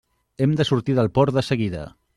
Hem de sortir del port de seguida.